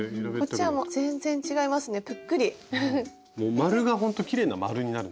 丸がほんときれいな丸になる。